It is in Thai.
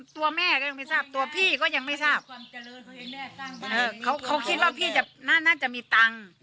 ตัวแม่ก็ยังไม่ทราบตัวพี่ก็ยังไม่ทราบเขาคิดว่าพี่น่าจะมีตังค์